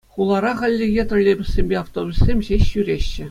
Хулара хальлӗхе троллейбуссемпе автобуссем ҫеҫ ҫӳреҫҫӗ.